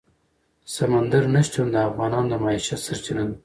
سمندر نه شتون د افغانانو د معیشت سرچینه ده.